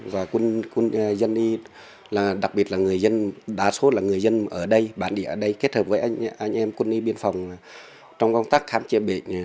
và đặc biệt là đa số người dân ở đây bản địa ở đây kết hợp với anh em quân y biên phòng trong công tác khám chữa bệnh